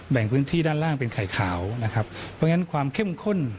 แบ่งพื้นที่ด้านล่างเป็นไข่ขาวนะครับเพราะฉะนั้นความเข้มข้น